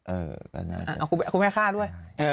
คุณแม่ฆ่าด้วย